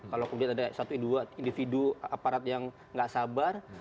kalau kemudian ada satu dua individu aparat yang nggak sabar